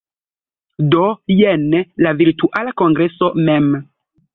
Do jen la Virtuala Kongreso mem.